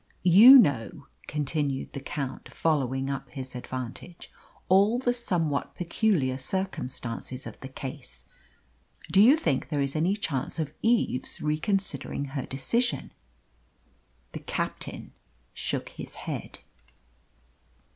"You know," continued the Count, following up his advantage, "all the somewhat peculiar circumstances of the case. Do you think there is any chance of Eve's reconsidering her decision?" The captain shook his head.